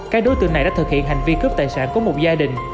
các đối tượng này đã thực hiện hành vi cướp tài sản của một gia đình